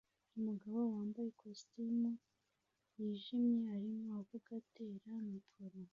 Umugabo wambaye ikositimu yijimye arimo avuga atera mikoro